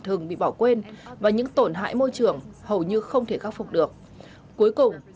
thường bị bỏ quên và những tổn hại môi trường hầu như không thể khắc phục được cuối cùng